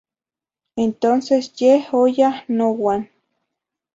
Entonces yeh oyah nouan.